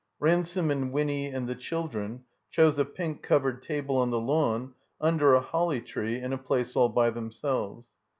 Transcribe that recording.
Ransome and Winny and the children chose a pink covered table on the lawn tmder a holly tree in a place all by themselves.